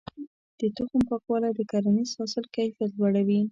د تخم پاکوالی د کرنیز حاصل کيفيت لوړوي.